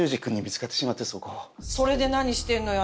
それで何してんのよ